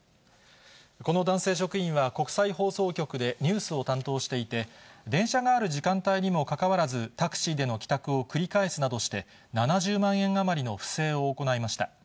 この男性職員は、国際放送局でニュースを担当していて、電車がある時間帯にもかかわらず、タクシーでの帰宅を繰り返すなどして７０万円余りの不正を行いました。